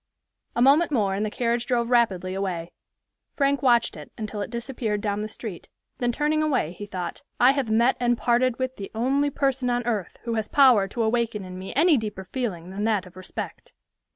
A moment more and the carriage drove rapidly away. Frank watched it until it disappeared down the street; then turning away, he thought, "I have met and parted with the only person on earth who has power to awaken in me any deeper feeling than that of respect."